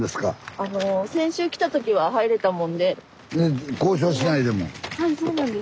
あの先週来た時は入れたもんで。